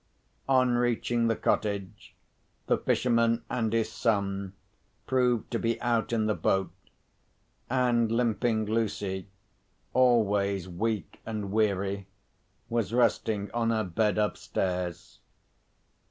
On reaching the cottage, the fisherman and his son proved to be out in the boat; and Limping Lucy, always weak and weary, was resting on her bed upstairs.